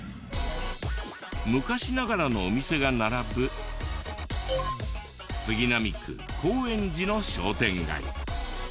昔ながらのお店が並ぶ杉並区高円寺の商店街。